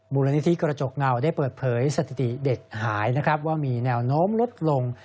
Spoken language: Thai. มูลนิธิกระจกเงาได้เปิดเผยสถิติเด็กหายนะครับว่ามีแนวโน้มลดลง